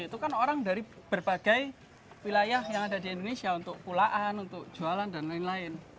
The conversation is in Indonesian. itu kan orang dari berbagai wilayah yang ada di indonesia untuk pulaan untuk jualan dan lain lain